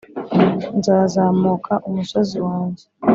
nzazamuka umusozi wanjye